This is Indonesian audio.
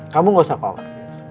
kamu gak usah call